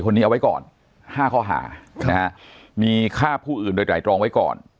คนนี้เอาไว้ก่อน๕ข้อหามีฆ่าผู้อื่นโดยไตรรองไว้ก่อน